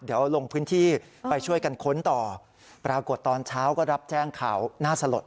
เดี๋ยวลงพื้นที่ไปช่วยกันค้นต่อ